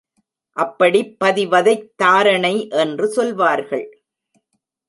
அப்படிப் பதி வதைத் தாரணை என்று சொல்வார்கள்.